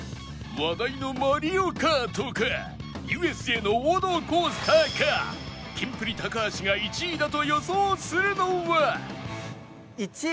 話題のマリオカートか ＵＳＪ の王道コースターかキンプリ橋が１位だと予想するのは？